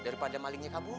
daripada malingnya kabur